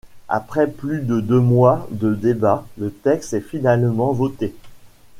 Après plus de deux mois de débats, le texte est finalement voté.